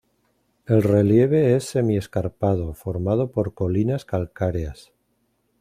El relieve es semi-escarpado formado por colinas calcáreas.